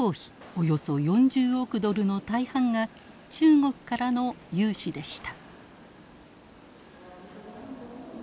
およそ４０億ドルの大半が中国からの融資でした。